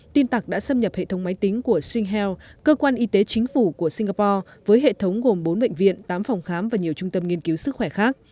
tin tặc đã xâm nhập hệ thống máy tính của singhealth cơ quan y tế chính phủ của singapore với hệ thống gồm bốn bệnh viện tám phòng khám và nhiều trung tâm nghiên cứu sức khỏe khác